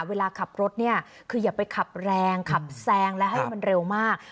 เวลาขับรถเนี่ยคืออย่าไปขับแรงขับแซงและให้มันเร็วมาก